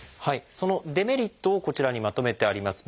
そのデメリットをこちらにまとめてあります。